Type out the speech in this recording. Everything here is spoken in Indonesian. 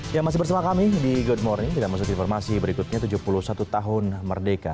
yang masih bersama kami di good morning kita masuk ke informasi berikutnya tujuh puluh satu tahun merdeka